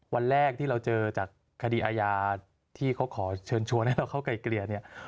วันแรกที่เราเจอจากคดีอาญาที่เขาขอเชิญชวนให้เราเข้าไกลเกลี่ยเนี่ย